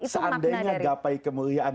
seandainya gapai kemuliaan